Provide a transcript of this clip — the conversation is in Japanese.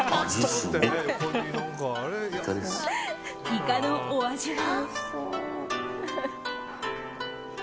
イカのお味は。